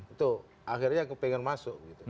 itu akhirnya pengen masuk